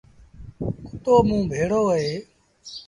ڪتو موݩ بيڙو اهي